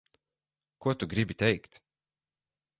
Ko tu gribi teikt?